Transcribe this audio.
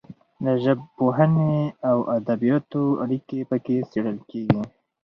د ژبپوهنې او ادبیاتو اړیکې پکې څیړل کیږي.